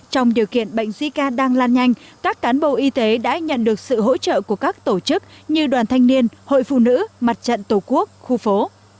trong điều kiện bệnh di ca đang lan nhanh các cán bộ y tế đã nhận được sự hỗ trợ của các tổ chức như đoàn thanh niên hội phụ nữ mặt trận tổ quốc khu phố